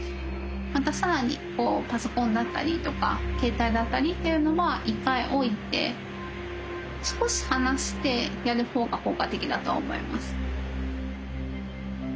更にパソコンだったりとか携帯だったりっていうのは一回置いて少し離してやる方が効果的だと思います。